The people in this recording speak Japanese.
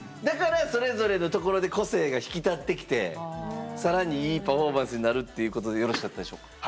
だからそれぞれのところで個性が引き立ってきて更にいいパフォーマンスになるっていうことでよろしかったでしょうか？